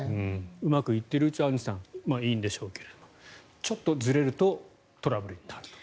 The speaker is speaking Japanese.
うまくいっているうちはいいんでしょうけどちょっとずれるとトラブルになると。